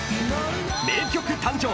［名曲誕生！